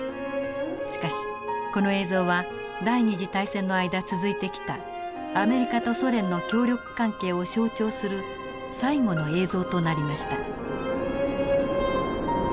しかしこの映像は第二次大戦の間続いてきたアメリカとソ連の協力関係を象徴する最後の映像となりました。